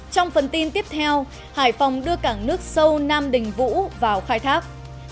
trong phần tin tiếp theo hải phòng đưa cảng nước sâu nam đình vũ vào khai thác